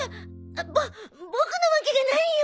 ボボクのわけがないよ。